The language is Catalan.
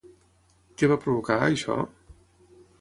Què va provocar, això?